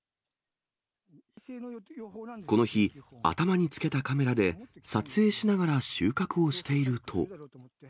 この日、頭につけたカメラで、撮影しながら収穫をしていると。